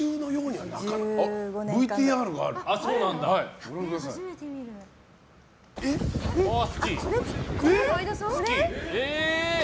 あ、ＶＴＲがあると。